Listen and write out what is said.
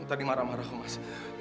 tadi marah marah mas